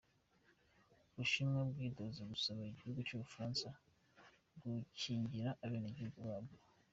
Ubushinwa bwidoze busaba igihugu c'Ubufaransa gukingira abenegihugu babwo.